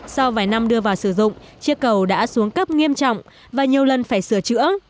sau vài năm đưa vào sử dụng chiếc cầu đã xuống cấp nghiêm trọng và nhiều lần phải sửa chữa